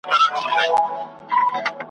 شخي- شخي به شملې وي ,